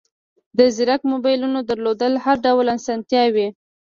د زیرک موبایلونو درلودل هر ډول اسانتیاوې